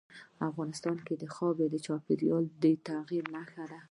افغانستان کې خاوره د چاپېریال د تغیر نښه ده.